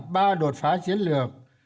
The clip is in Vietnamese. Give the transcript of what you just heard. ba đột phá chiến lược